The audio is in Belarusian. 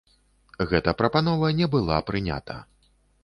Гэта прапанова не была прынята.